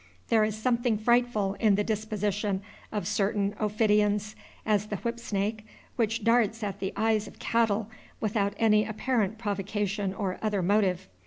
There is something frightful in the disposition of certain ophidians, as the whipsnake, which darts at the eyes of cattle without any apparent provocation or other motive.